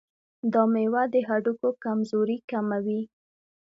دا مېوه د هډوکو کمزوري کموي.